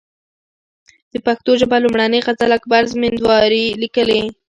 د پښتو ژبي لومړنۍ غزل اکبر زمینداوري ليکلې